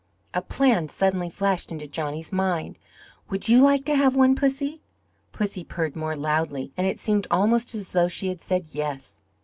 A plan suddenly flashed into Johnny's mind. "Would you like to have one, Pussy?" Pussy purred more loudly, and it seemed almost as though she had said yes.